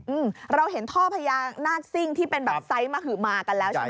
อืมเราเห็นท่อพญานาคซิ่งที่เป็นแบบไซส์มหือมากันแล้วใช่ไหม